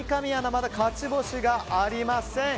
まだ勝ち星がありません。